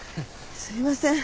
すいません。